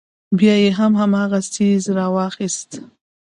بيا يې هم هماغه څيز راواخيست.